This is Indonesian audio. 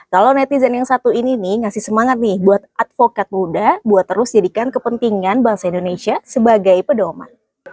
kalau netizen yang satu ini nih ngasih semangat nih buat advokat muda buat terus jadikan kepentingan bangsa indonesia sebagai pedoman